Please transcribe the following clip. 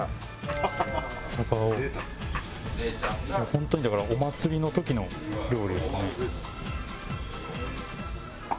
本当にだからお祭りの時の料理ですね。